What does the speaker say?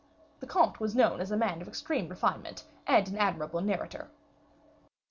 The comte as known as a man of extreme refinement, and an admirable narrator.